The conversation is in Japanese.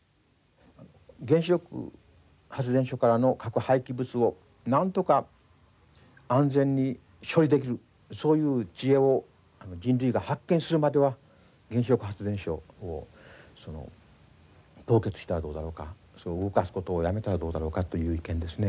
原子力発電所からの核廃棄物をなんとか安全に処理できるそういう知恵を人類が発見するまでは原子力発電所を凍結したらどうだろうか動かすことをやめたらどうだろうかという意見ですね。